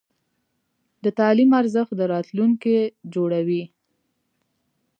د تعلیم ارزښت د راتلونکي جوړوي.